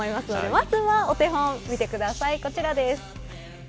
まずはお手本を見てください